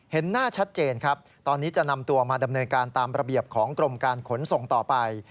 เห็นหน้าชัดเจนครับตอนนี้จะนำตัวมาดำเนินการตามระเบียบของกรมการขนส่งต่อไป